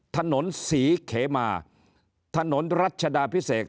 ถนนศรีเขมาถนนรัชดาพิเศษ